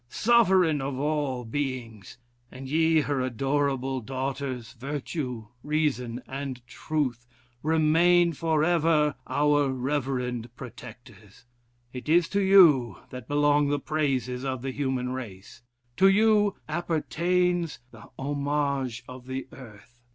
sovereign of all beings! and ye, her adorable daughters, Virtue, Reason, and Truth! remain forever our reverend protectors. It is to you that belong the praises of the human race; to you appertains the homage of the earth.